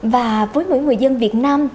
và với mỗi người dân việt nam